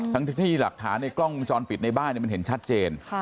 ทั้งที่หลักฐานในกล้องวงจรปิดในบ้านมันเห็นชัดเจน